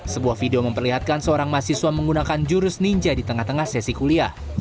sebuah video memperlihatkan seorang mahasiswa menggunakan jurus ninja di tengah tengah sesi kuliah